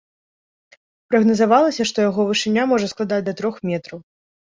Прагназавалася, што яго вышыня можа складаць да трох метраў.